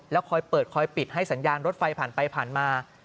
คอยเปิดคอยปิดให้สัญญาณรถไฟผ่านไปผ่านมา